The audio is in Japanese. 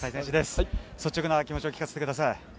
率直な気持ちを聞かせてください。